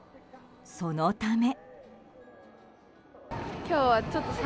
そのため。